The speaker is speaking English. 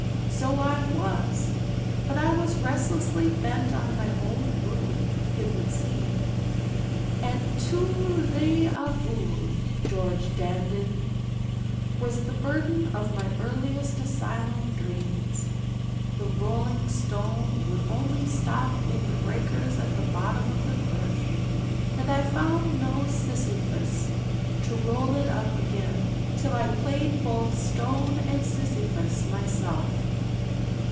So I was. But I was restlessly bent on my own ruin, it would seem; and 'Tu l'as voulu, Georges Dandin!' was the burden of my earliest asylum dreams. The rolling stone would only stop in the breakers at the bottom of the cliff; and I found no Sisyphus to roll it up again till I played both stone and Sisyphus myself.